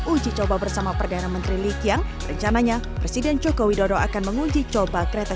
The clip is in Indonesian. uji coba bersama perdana menteri likyang rencananya presiden joko widodo akan menguji coba kereta